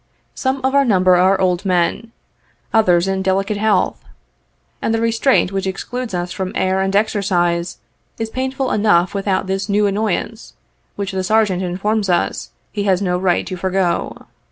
Some of our number are old men ; others in delicate health ; and the restraint which excludes us from air and exercise is painful enough without this new annoyance, which the Sergeant informs us he has no right to forego.